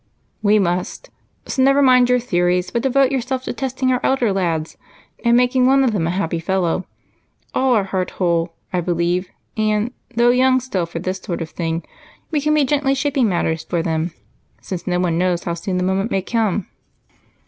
"We must, so never mind your theories but devote yourself to testing our elder lads and making one of them a happy fellow. All are heart whole, I believe, and, though young still for this sort of thing, we can be gently shaping matters for them, since no one knows how soon the moment may come.